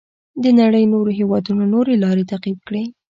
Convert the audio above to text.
د نړۍ نورو هېوادونو نورې لارې تعقیب کړې.